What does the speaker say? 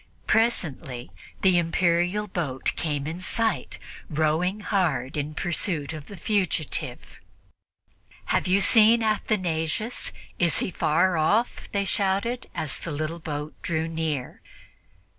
Presently the Imperial boat came in sight, rowing hard in pursuit of the fugitive. "Have you seen Athanasius? Is he far off?" they shouted, as the little boat drew near.